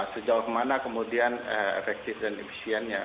sejauh mana kemudian efektif dan efisiennya